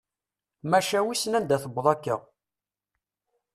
Maca wissen anda tewweḍ akka.